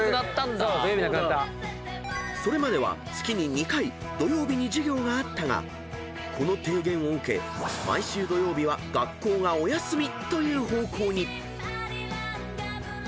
［それまでは月に２回土曜日に授業があったがこの提言を受け毎週土曜日は学校がお休みという方向に］